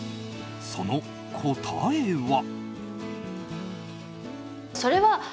その答えは。